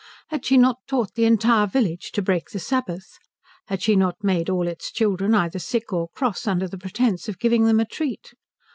Had she not taught the entire village to break the Sabbath? Had she not made all its children either sick or cross under the pretence of giving them a treat?